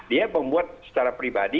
dia membuat secara pribadi